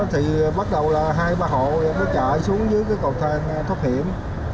thì bắt đầu là hai ba hộ mới chạy xuống dưới cầu thang thốt hiểm